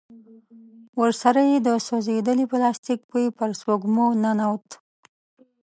ورسره يې د سوځېدلي پلاستيک بوی پر سپږمو ننوت.